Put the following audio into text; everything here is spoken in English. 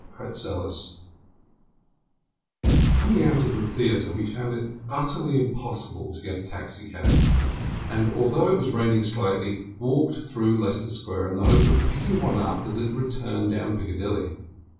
1910 EVOLUTION Coming out of the theatre, we found it utterly impossible to get a taxicab; and, though it was raining slightly, walked through Leicester Square in the hope of picking one up as it returned down Piccadilly.